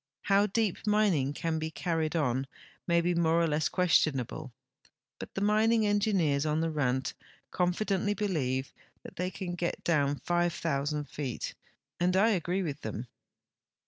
How deep mining can be carried on may be more or less questionable, but the mining engineers on the Rand confidently believe that they can get down 5,000 feet, and I agree with them.